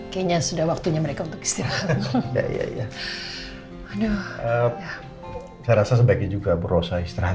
kayaknya sudah waktunya mereka untuk istirahat